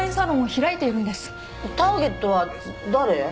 ターゲットは誰？